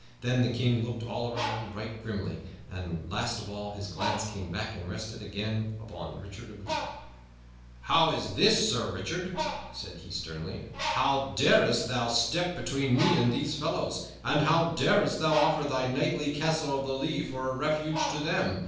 Then the King looked all around right grimly, and, last of all, his glance came back and rested again upon Sir Richard of the Lea. "How is this, Sir Richard?" said he sternly. "How darest thou step between me and these fellows? And how darest thou offer thy knightly Castle of the Lea for a refuge to them?